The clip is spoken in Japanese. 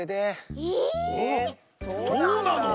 ええ⁉そうなの？